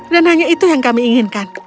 dan hanya itu yang kami inginkan